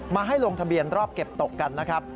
มาให้ลงทะเบียนรอบเก็บตกกันนะครับ